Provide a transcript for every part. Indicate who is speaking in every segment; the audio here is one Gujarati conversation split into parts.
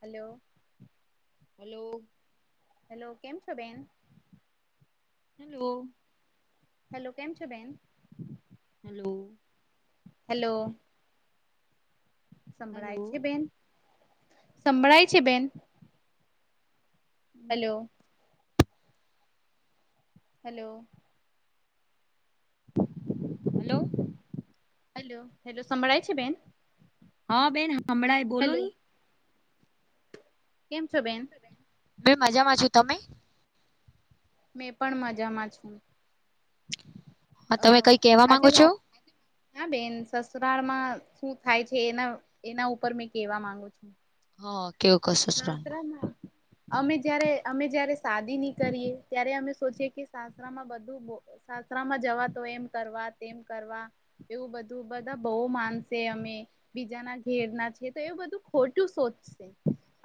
Speaker 1: હલોલો
Speaker 2: હલો
Speaker 1: હલો કેમ છો બેન
Speaker 2: હલો
Speaker 1: હેલો કેમ છે બેન
Speaker 2: હું
Speaker 1: હેલો સંભળાય છે
Speaker 2: હલો
Speaker 1: બેન સંભળાય છે બેન hello hello
Speaker 2: hello
Speaker 1: hello hello સંભળાય છે બેન
Speaker 2: હા બેન હમણાં એ બોલો
Speaker 1: હેલો
Speaker 2: નહી
Speaker 1: કેમ છો બેન
Speaker 2: બે મજામાં છો તમે
Speaker 1: મેં પણ મજામાં છું
Speaker 2: હ તમે કઈ કેવા માંગો છો
Speaker 1: ના બેન સસરાળમાં શું થાય છે એના એના ઉપર મેં કેવા માંગુ છું
Speaker 2: હા કેવું કશો
Speaker 1: સાસ્ત્રમાં અમે જયારે અમે જયારે શાદી ની કરીએ ત્યારે અમે સોચીએ કે સાસત્રમાં બધું સાસત્રમાં જવા તો કરવા કરવા એવું બધું બધા બહ માનસે અમે બીજાના ઘે બધ ખોટું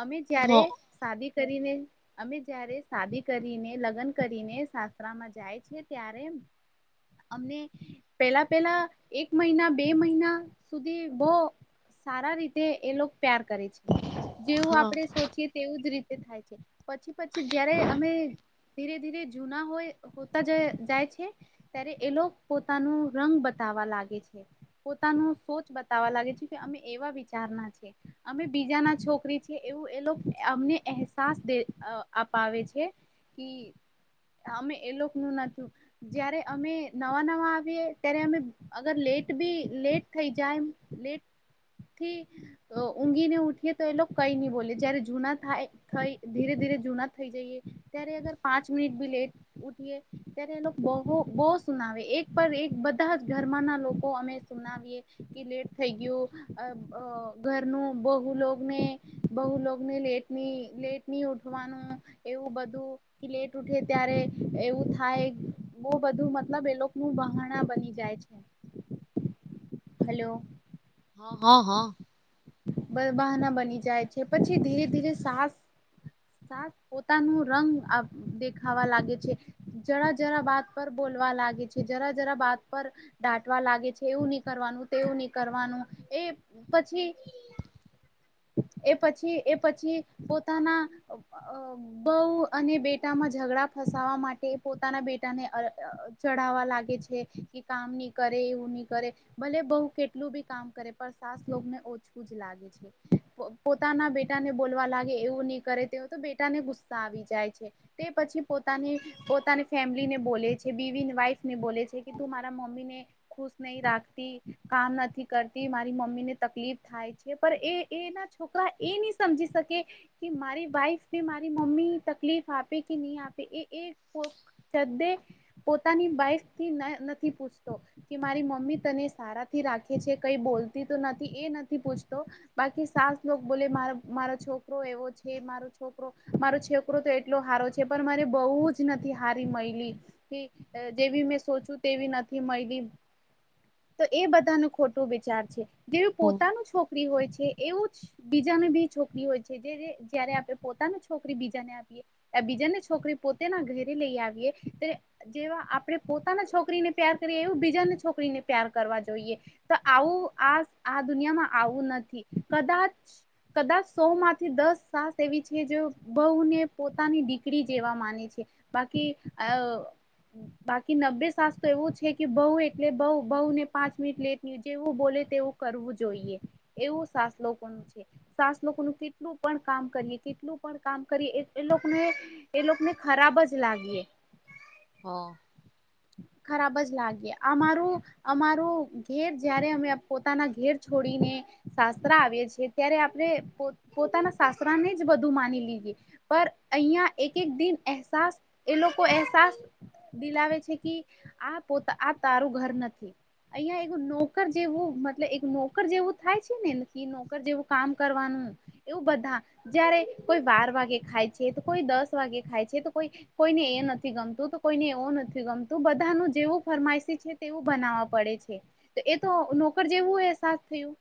Speaker 1: અમે જયારે
Speaker 2: હા
Speaker 1: સાદી કરીને અમે જયારે શાદી કરીને લગ્ન કરીને શાસ્ત્રામાં જાય છે ત્યારે હમ અમને પેલા પેલા એક મહિના બે મહિના સુધી બહ સારા રીતે એ લોકો પ્યાર કરે છે જેવું આપડે સોચીએ તેવું જ રીતે તે થાય છે પછી પછી જયારે અમે ધીરે ધીરે જૂના હોય હોતા જાય છે ત્યારે એ લોકો પોતાનું રંગ બતા વા લાગે છે પોતાનો સોચ બતાવવા લાગે છે કે અમે એવા વિચારના છે અમે બીજાના છોક ોકરી એવું એ અમને અહેસાસે અપાવે છે અમે એ લોકો નું નથીું જયારે અમે નવા નવા આવીએ ત્યારે અમે અગર લ લટ બી લેટ થઈ જાય એ લેટથી ઊંઘીને ઉઠીએ તો એ લોકો કઈ નહી બોલે જય્યારે જૂના થાય થ ધીરે ધીરે જૂના થઈ જઈએ ત્યારે અગર પાંચ મિનિટ ત્યારે એ બહ સુનાવે એક એક બધા જ ઘરમાં ના લોકો અમે સુનાવીએ કે લેટ થઈ ગયું ઘરનું બહુલોગને બહુ લોને લેટ નની લેટ નહી ઉઠવાનું એવું બધું લેટ ઉઠે ત્યારે એવું થાય બહ બધું મતલબ એ લોકો નું બહાણા બની જાય છે હલો
Speaker 2: હા હા
Speaker 1: બ બહાના બની જાય છે પછી ધીરે ધીરે સાસ સા પોતાનું રંગ દેખાવા લાગે છે, જરા જરા બાત પર બો લાગે છે જરા જરા બાત પર ડાંટવા લાગે છે એવું નહી કરવાનું તે એવું નહી કરવાનું એ પછી એ પછી એ પછી પોતાના બઉ અને બેટામાં ઝગડડા ફસવા માટે પોતાના બેટા ને ચઢાવવા લાગે છે, કે કામ ન કરે કરે ભલે બહુ કેટલું બી કામ કરે પણ સાસ લોગને ઓછું જ લાગે છે. પોતાના બેટાને બોલવા લાગે એવું નહીં કરે તે તો બેટા ને ગુસ્સા આવી જાય છે, તે પછી પોતાની પોતાની ફેમિલી ને બોલે છે, બીવી વાઈફ ને બોલે છે કે તું મારા મમ્મી ને ખુશ નહ રાખતી કામ નથી કરતી, મારી મમ્મી ને તકલીફ થાય છે પણ એના છોકરા એ નહી સમજી શકે કે મારી વાઈફ કેને મારી મમ્મી તકલીફ આપે કે નહી, આપે તે એ એ પો પોતાની બાઈક થી નથી પૂછતો કે મારી મમ્મી તને સારાથી રાખે છે કઈ બોલતી તો નથી એ નથી પૂછતો બાકી સાસલોક બોલે મા મારો છોકરો એવો છે મારો છોકરો મારો છોકરો તો એટલો હારો છે. પણ મને બહુ જ નથી હારી મળલી જેવી મેં સોચ્યું તેવી નથી મળલી તો એ બધા ન ખોટું વિચાર છે જેવી પોતાનું છોકરી હોય છે, એવું જ બીજાને બી છોકરી હોય છે જે જયારે આપણે પોતાની છોકરી બીજાને આપીએ જેને છોકરી પોતેના ઘરે લઈ આવીએ જેવા આપણે પોતાના છોકરીને પ્યાર કરીએ એવું બીજાને છોકરીને પ્યાર કરવા જોઈએ, તો આવું આ આ દુનિયામાં આવું નથી, કદાચ કદાચ સો માંથી દસ સાસ એવી છે જે બહુને પોતાની દીકરી જેવા માને છે બાકી આ બાકી નબ્બે સાસ તો એવું છે કે બઉુ એટલે બઉુ બહુ ને પાંચ મિનિટ લેટ જે એવું બોલે તેવું કરવું જોઈએ એવું સાસ લોકો ન છે સાસ લોકો ન કેટલું પણ કામ કરીએ કેટલું પણ કામ કરીએ એ લોકોને એ લોકોને ખરાબ જ લાગી
Speaker 2: હા
Speaker 1: ખરાબ જ લાગે અમારું અમારું ઘેર જયારે અમે પોતાના ઘેર છોડીને શાસ્ત્ર આવે છે, ત્યારે આપણે પોતાના શાસ્ત્રા ને જ બધું માની લીધ અહં એક એક દિન અસાસ એ લોકો અહેસાસ દિલાવે છે. આ પોતા આ તારું ઘર નથી, અહિયાં એવું નોકર જેવું મતલબ એક નોકર જેવું થાય છે નેને નોકર જેવું કામ કરવાનું એવું બધા જારે કોઈ બાર વાગે ખાય છે, તો કોઈ દસ વાગે ખાય છે તો કોઈ કોઈને એ નથી ગમતું તો કોઈને એવું નથી ગમતું, તો બધાનું જેવું ફરમાઈસી છે તેવું બનાવવા પડે છે એ તો નોકર જેવું હોય થયું.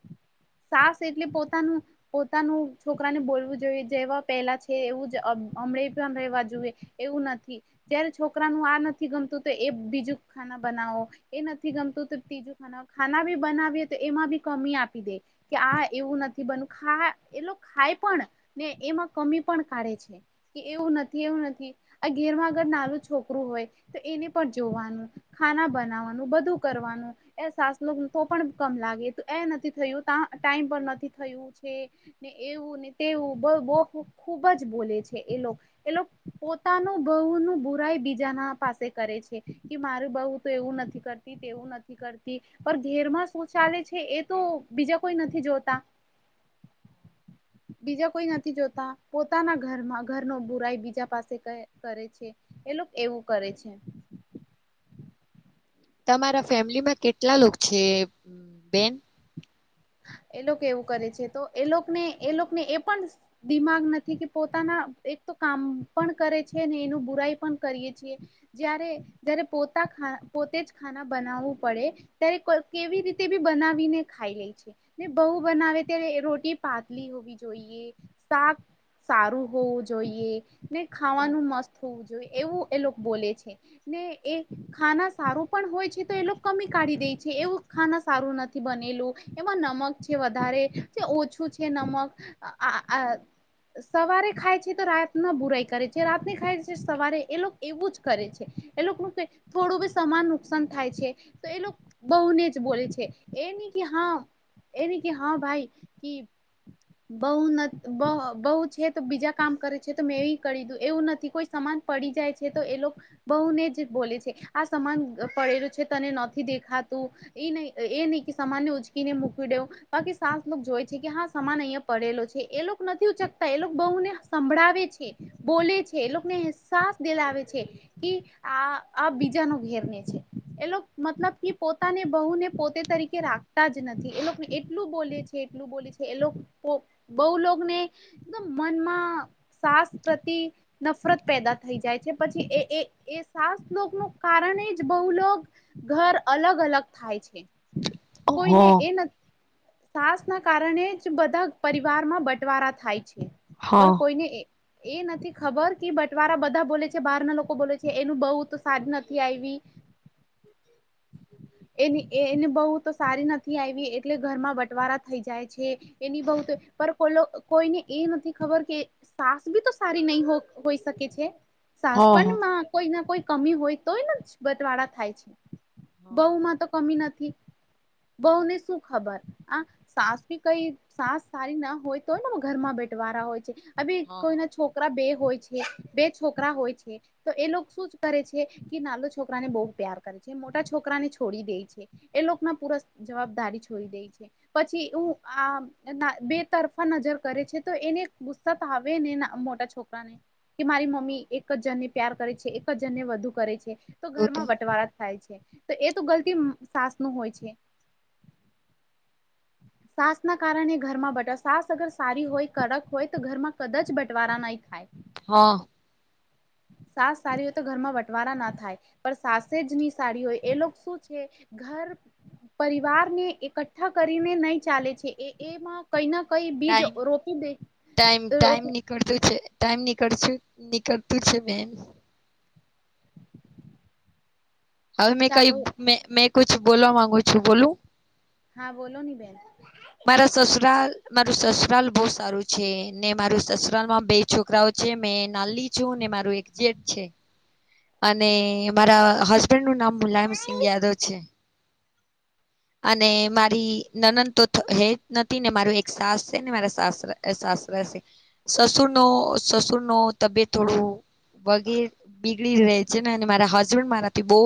Speaker 1: સાસ એટલે પોતાનું પોતાનું છોકરાને બોલવું જેવા પહેલા છે એવું જ હમ્મ પણ રવા જોઈએ એવું નથી જય્યારે છોકરાનું આ નથી ગમતું તો એ બીજું ખાના બનાવો એ નથી ગમતું તો તીજું ખાના ખાના બી બનાવીએ તો એમાં બી કમી આપી દે કે આ એવું નથી બન ખા એ ખાય પણ ને એમાં કમી કાઢે છે કે એવું નથી એવું નથી આ ઘેરમાં અગર નાનુ છોકરું હોય તો એને જોવાનું ખાના બનાવાનું બધું કરવાનું, એ સાસ નું તો પણ કમ લાગે થું ટાઈમ નથી થયું છે એવું ને તેવું ખૂબ જ બોલે છે એ એ પોતાનું બહુ ન બુરાય બીજા ના પાસે કરે છે કે મારું બહુ તો એવું નથી કરતી તેવું નથી કરતી પણ ઘેરમાં શું ચાલે છે, એ તો બીજા કોઈ નથી જોતા બીજા કોઈ નથી જોતા પોતાના ઘરમાં ઘરનો બુરાઈ બીજા પાસે કરે છે, એ લોકો એવું કરે છે,
Speaker 2: તમારા ફેમિલીમાં કેટલા લોકો છે બેન.
Speaker 1: હા એ લોકો એવું કરે છે તો એને એ લોકોને એ પણ દિમાગ નથી કે પોતાના એક કામ પણ કરે છે ને એનું બુરાઈ પણ કરીએ છીએ, જ્યારે જ્યારે પોતાખા પોતે જ ખાના બનાવવું પડે ત્યારે કોઇ કેવી રીતે બી બનાવીને ખાઈ લે છે. ને બહુ બનાવે ત્યારે રોટી પાતલી હોવી જોઈએ શાક સારું હોવું જોઈએ, ને ખાવાનું મસ્ત હોવું જોઈએ એવું એ લોકો બોલે છે. ને એ ખાના સારું પણ હોય છે તો એ લોકો કમી કાઢી દે છે, એવું ખાના સારું નથી બનેલું. એમાં નમક છે વધારે ઓછું છે નમક આ સવારે ખાય છે તો રાતના બુરાઈ કરે છે, રાતને ખાય છે સવારે એ લોકો એવું જ કરે છે. એ લોકો થોડું બી સમાન નુકસાન થાય છે તો એ લોકો બહુને જ બોલે છે એ. એ ન હા એ ન હા ભાઈ કી બહુ ન બહુ છે તો બીજા કામ કરે છે તો મેં એ કરી દું એવું નથી કોઈ સમાન પડી જાય છે તો એ લોકો બહુને જ બોલે છે આ સમાન પડેલું છે તને નથી દેખાતું. એ ન એ નઈ કે સામાન ઉંચ કીને મૂકી દેવું બાકી સાસ લોક જોય છે કે હા સમાન અહિયાં પડેલો છે એ લોકો નથી ઉચકતા એ લોકો બહુ. ને સંભળાવે છે બોલે છે લોકોને અહેસાસ દેલાવે છે કે આ આ બીજા ના ઘેરને છે એ લોકો મતલબ કે પોતાને બહુ ને પોતે તરીકે રાખ તા જ નથી એ લોકોને એટલું બોલે છે એટલું બોલે છે એ બહુ લોગ ને મનમાં સાસ પ્રતિ નફરત પેદા થઈ જાય છે પછી એ એ એ સાસ. ક ન કારણે જ બહુ લોક ઘર અલગ અલગ થાય છે. કોઈને
Speaker 2: હા
Speaker 1: એ ન સાસ ના કારણે જ બધા પરિવારમાં બંટવાારા થાય છે. પર
Speaker 2: હા
Speaker 1: કોઈને એ એ નથી ખબર કે બટવારા બધા બોલે છે બહાર ના લોકો બોલે છે એનું બહુ તો સારી નથી આયવી. એની એને બહુ તો સારી નથી આવવી એટલે ઘરમાં બટવાારા થઈ જાય છે, એની બહુ તો પર કો લોગ કોઈને એ નથી ખબર કે સાસ બી તો સારી નહી હોઈ શકે છે. સાસ
Speaker 2: હા હા
Speaker 1: પળમાં કોઈ ના કોઈ કમી હોય તોય બટવાળા થાય છે. બહુ માં તો કમી નથી. બઉને શું ખબર આ સાસ કે કઈ સાસ સારી ના હોય તોય ને ઘરમાં બેઠ વારા હોય છે, અ
Speaker 2: હા
Speaker 1: કોઈ ના છોકરા બે હોય. બે છોકરા હોય છે તો એ શું કરે છે કે નાના છોકરાને બહ પ્યાર કરે છે. મોટા છોકરા ને છોડી દે છે, એ લોકો ના પુર જવાબદારી છોડી દે છે, પછી હ આ બે તરફા નજર કરે છે તો એ ગુસ્સા તો આવે ને મોટા છોકરા ને. કે મારી મમ્મી એક જ જન ને પ્યાર કરે છે એક જ જણને વધુ કરે છે તો ઘરમાં બટવાળા થાય છે. તો એ તો ગલતી સાસ નું હોય છે. સાસ ના કારણે ઘરમાં બટસ સાસ અગર સારી હોય કડક હોય તો ઘરમાં કદાચ બટવારા નહી થાય.
Speaker 2: હા.
Speaker 1: સાસ સારી તો ઘરમાં વટવારા ના થાય, પણ સાસે જ ની સારી હોય એ લોકો શું છે ઘા પરિવારને એકઠ્ઠા કરીને નહી ચાલે છે એ એમાં કઈ ન
Speaker 2: ટાઈમ ટાઇમ ટાઈમ નીકળતું છે ટાઈમ નીકસુ નીકળતું છે બેન. હવે મેં કઈ
Speaker 1: ચાલો
Speaker 2: મે મેં કુછ બોલવા માંગુ છું બોલું.
Speaker 1: હા બોલો ની બેન.
Speaker 2: મારા સસુરાલ મારું સસુરાલ બહુ સારું છે ને મારું સસુરાલ માં બે છોકરાઓ જે મેં નાલ્લી છું ને મારું એક જેઠ છે. અને મારા હસબેન્ડ નું નામ મુલાયમ સિંહ યાદવ છે. અને મારી નનદ તો હે જ નથી ને મારું એક સાસ છે ને મારા સાસરા સાસ સસુર નો સસુર નો તબિયત થોડું વગેર છે ને મારા હસબન્ડ મારાથી બહુ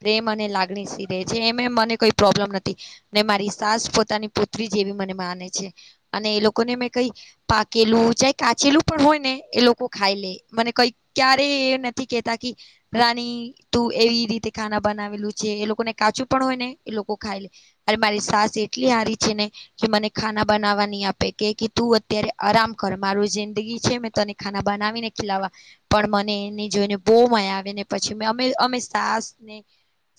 Speaker 2: પ્રેમ અને લાગણી સીરે છે એમ એમ મને કોઈ પ્રોબ્લેમ નથી ને મારી સાસ પોતાની પુત્રી જે એવુ મને માને છે અને એ લોકોને મેં કઈ પાકેલું ચ કાચેલું પણ હોય ને એ લોકો તો ખાઈ લે મને કઈ ક્યારે એને કેતા કે રાની તું એવી રીતે ખાના બનાવેલું છે એ લોકોને કાચું પણ હોય ને લોકો ખાય મારી સાસ એટલી હારી છે ને કે મને ખાના બનાવા નહી આપે કે કે તું અત્યારે આરામ કર મારું જિંદગી છે મેં તને ખાના બનાવીને ખીલાવા પણ મને જોઈને બહુ મયા આવેને પછી મે અમે અમે સાસ ને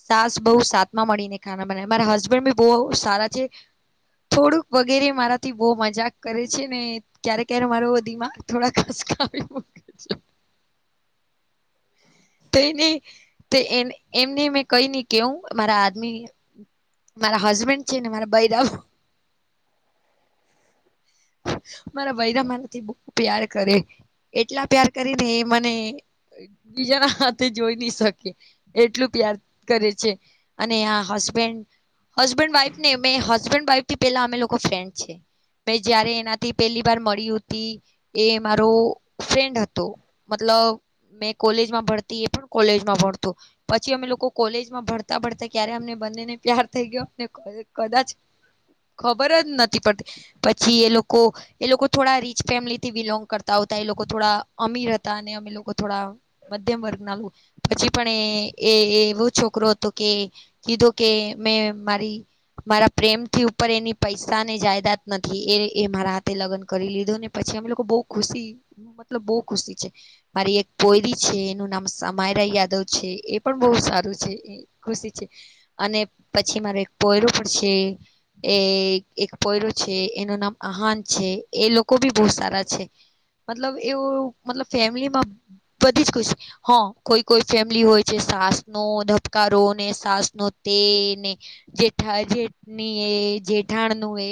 Speaker 2: સાસ બહુ સાત માં મળીને ખાના બનાવે મારા હસબેન્ડ બી બહું સારા છે. થોડુંક વગેરે મારાથી બહુ મજાક કરે છે ને ક્યારે ક્યારે મારો દિમાગ થોડાક ખશકાવી મુકે છે
Speaker 1: [inaudible]
Speaker 2: તે નહી તે એન એમને મે કઈ નહી કેવું મારા આદમી મારા હસબેન્ડ છે ને મારા બાઈ દાવ
Speaker 1: [inaudible]
Speaker 2: મારા ભાઈ ના મારથી બહું પ્યાર કરે એટલા પ્યાર કરીને મને બીજાના જોઈ નહી શકે એટલું પ્યાર કરે છે અને આ હસબેન્ડ હસબન્ડ વાઈફ ને અમે હસબન્ડ વાઇફ થી પેલા અમે લોકો ફ્રેન્ડ છે. મે જયારે એનાથી પેલીવાર મળી હતી એ મારો ફ્રેન્ડ હતો મતલબ મે કોલેજમાં ભણતા એ પણ કોલેજમાં ભણતો પછી અમે લોકો કોલેજમાં ભણતા ભણતા ક્યારે અમને બંનેને પ્યાર થઈ ગયો. કદાચ ખબર જ નથી. પછી એ લોકો એ લોકો થોડા રીચ ફેમિલી થી બિલોંગ કર આવતા એ લોકો થોડા અમીર હતા અને અમે લોકો થોડા મ મધ્યમ વર્ગ ના પછી પણ એ એવો છોકરો હતો કે કીધો કે મે મારી મારા પ્રેમથી ઉપર એની પૈસા ને જાયદાત નથી એ મારા હાથે લગન કરી લીધો ને પછી અમે લોકો બહું ખુશી મતલબ બહુ ખુશી છે મારી એક પોયીબી છે. નામ સમાયરા યાદવ છે એ પણ બહુ સારું છે ખુશી છે અને પછી મારે એક પોયરું પણ છે એ એક પોયરું છે એનું નામ આહાન છે. એ લોકો બી બહુ સારા છે મતલબ એવુ મતલબ ફેમિલીમાં બધી ખુશી હા કોઈ કોઈ ફેમિલી હોય છે સાસ નો ધબકારો ને સાસ નો તે ને જેઠા જેઠની એ જેઠાણ નું એ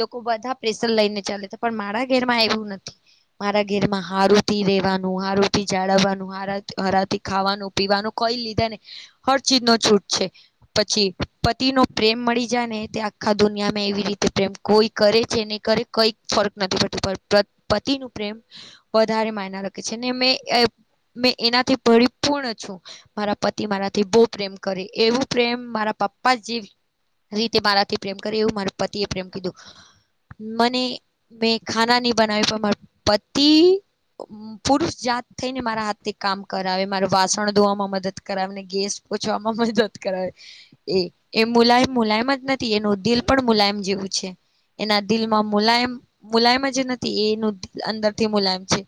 Speaker 2: લોકો બધા પ્રેશર લઈને ચાલે છે પણ મારા ઘેરમાં એવું નથી મારા ઘેરમાં હારુંથી રેવાનું હારુંથી જાળવવાનું હાર હરાથી ખાવાનું પીવાનું કઈ લીધા ને હર ચીજ ન છૂટ છે પછી પતિ નો પ્રેમ મળી જાય ને તે આખા દુનિયામાં એવી રીતે પ્રેમ કોઈ કરે છે ને કરે કઈક ફર્ક નથી પ્રેમ વધારે માયનાખે છે ને એનાથી પરિપૂર્ણ છું મારા પતિ મારાથી બહું પ્રેમ કરે એવું પ્રેમ મારા પપ્પા જે રીતે મારાથી પ્રેમ કરે એવું મારા પતિએ પ્રેમ કીધું મને મેં ખાના નહી બનાવી પતિ પુરુષ જાત થઈ ને મારા હાથે કામ કરાવે મારું વાસણ ધોવામાં મદદ કરાવેને ગેસ લુચવામાં મદદ કરાવે એ એ મુલાયમ મુલાયમ જ નથી એનું દિલ પણ મુલાયમ જેવું છે એના દિલમાં મુલાયમ મુલાયમ જ નથી એનું અંદરથી મુલાયમ છે